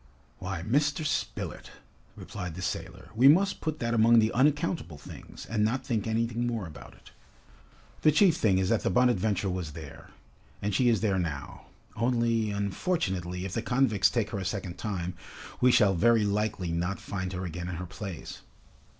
"Why, Mr. Spilett," replied the sailor, "we must put that among the unaccountable things, and not think anything more about it. The chief thing is that the 'Bonadventure' was there, and she is there now. Only, unfortunately, if the convicts take her a second time, we shall very likely not find her again in her place!"